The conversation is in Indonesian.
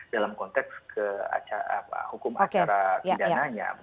dalam konteks hukum acara pidananya